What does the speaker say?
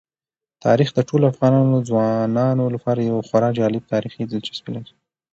تاریخ د ټولو افغان ځوانانو لپاره یوه خورا جالب تاریخي دلچسپي لري.